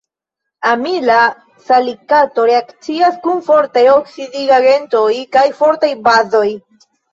Amila salikato reakcias kun fortaj oksidigagentoj kaj fortaj bazoj.